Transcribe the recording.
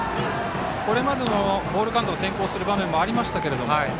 これまでボールカウントが先行する場面もありましたけれども。